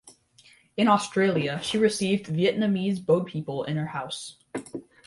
In Australia she received Vietnamese boat people in her house.